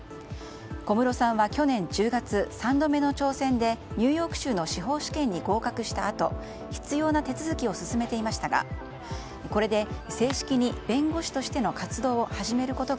小室さんは、去年１０月３度目の挑戦でニューヨーク州の司法試験に合格したあと必要な手続きを進めていましたが生って言ってもコッペパンでしょ？